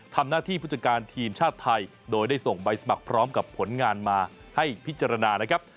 ทำหน้าที่ผู้จัดการทีมชาติไทยโดยได้ส่งใบสมัครพร้อมกับผลงานมาให้พิจารณานะครับ